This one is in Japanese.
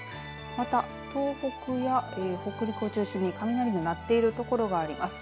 また東北や北陸を中心に雷が鳴っているところがあります。